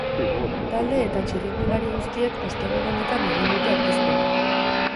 Talde eta txirrindulari guztiek ostegun honetan egin dute aurkezpena.